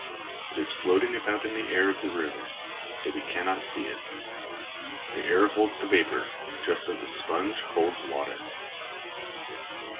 It is floating about in the air of the room, though we cannot see it. The air holds the vapor, just as a sponge holds water.